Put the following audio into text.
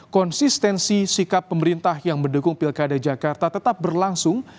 konsistensi sikap pemerintah yang mendukung pilkada jakarta tetap berlangsung